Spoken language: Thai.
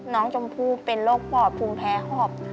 น้องชมพู่เป็นโรคปอดภูมิแพ้หอบ